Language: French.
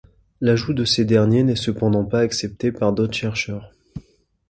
L'ajout de ces derniers n'est cependant pas accepté par d'autres chercheurs.